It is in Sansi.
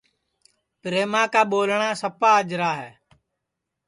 پریما کا ٻولٹؔا سپا اجرا ہے